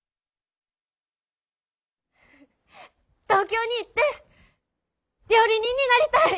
東京に行って料理人になりたい。